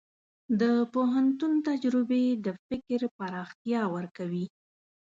د پوهنتون تجربې د فکر پراختیا ورکوي.